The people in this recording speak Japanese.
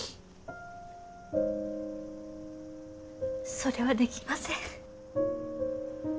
それはできません。